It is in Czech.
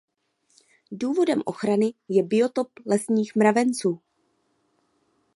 Důvodem ochrany je biotop lesních mravenců.